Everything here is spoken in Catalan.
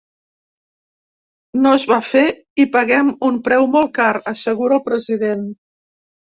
No es va fer i paguem un preu molt car, assegura el president.